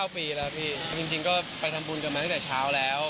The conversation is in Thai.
๙ปีแล้วพี่จริงก็ไปทำบุญกันมาตั้งแต่เช้าแล้ว